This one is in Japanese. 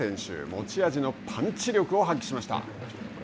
持ち味のパンチ力を発揮しました。